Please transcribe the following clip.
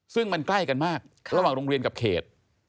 ซึ่งมันใกล้กันมากระหว่างโรงเรียนกับเขต